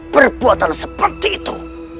perbuatan seperti itu